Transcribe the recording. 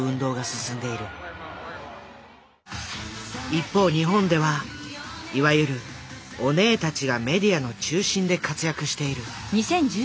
一方日本ではいわゆるオネエたちがメディアの中心で活躍している。